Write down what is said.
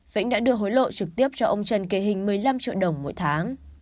vĩnh đã đưa hối lộ trực tiếp cho ông trần kỳ hình một mươi năm triệu đồng mỗi tháng